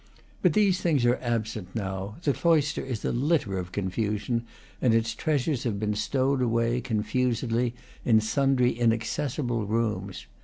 But these things are absent now; the cloister is a litter of confusion, and its trea sures have been stowed away, confusedly, in sundry inaccessible rooms.